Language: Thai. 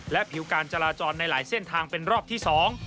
และผิวการจราจรในหลายเส้นทางเป็นรอบที่สอง